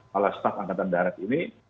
pala staf angkatan daerah ini